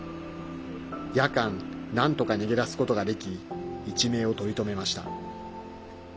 夜間、なんとか逃げ出すことができ一命を取り留めました。